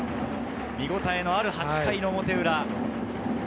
見応えのある８回の表裏。